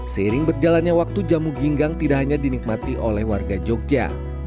seiring berjalannya waktu jamu ginggang tidak hanya dinikmati oleh warga jogja